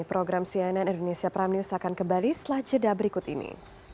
program cnn indonesia pram news akan kembali selajeda berikut ini